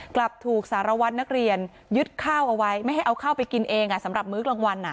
กลับถูกสารวัตรนักเรียนยึดข้าวเอาไว้ไม่ให้เอาข้าวไปกินเองสำหรับมื้อกลางวัน